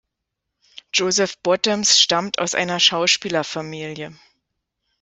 Joseph Bottoms stammt aus einer Schauspielerfamilie.